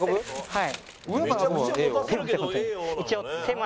はい。